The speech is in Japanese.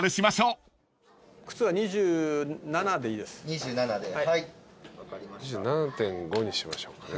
２７．５にしましょうかね。